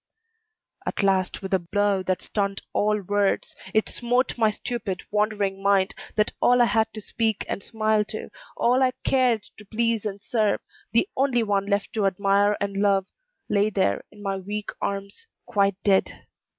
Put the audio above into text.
At last, with a blow that stunned all words, it smote my stupid, wandering mind that all I had to speak and smile to, all I cared to please and serve, the only one left to admire and love, lay here in my weak arms quite dead.